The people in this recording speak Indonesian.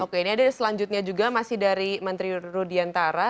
oke ini ada selanjutnya juga masih dari menteri rudiantara